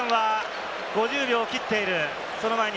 残り時間５０秒を切っている。